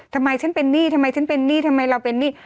ทำไมฉันเป็นหนี้ทำไมฉันเป็นหนี้ทำไมเราเป็นหนี้